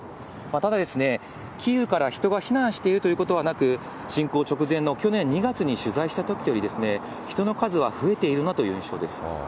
ただ、キーウから人が避難しているということはなく、侵攻直前の去年２月に取材したときより、人の数は増えているなという印象です。